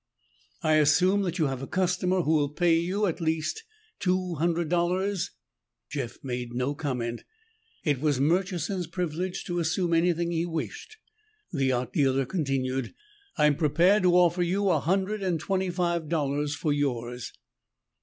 "I assume that you have a customer who will pay you at least two hundred dollars?" Jeff made no comment. It was Murchison's privilege to assume anything he wished. The art dealer continued, "I am prepared to offer you a hundred and twenty five dollars for yours."